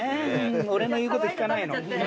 俺の言うこと聞かないの。